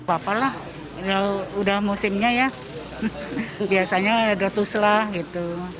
apa lah udah musimnya ya biasanya ada tuslah gitu